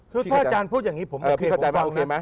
คือถ้าอาจารย์พูดอย่างนี้ผมโอเค